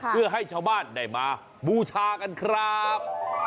เพื่อให้ชาวบ้านได้มาบูชากันครับ